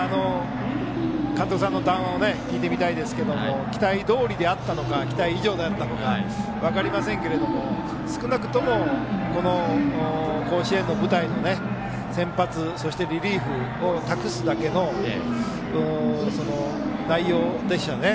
監督さんの談話を聞いてみたいですけれども期待どおりだったのか期待以上だったのか分かりませんけれども少なくともこの甲子園の舞台の先発そして、リリーフを託すだけの内容でしたね。